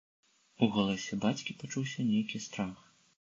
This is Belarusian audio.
У голасе бацькі пачуўся нейкі страх.